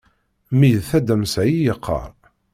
Mmi d tadamsa i yeqqar.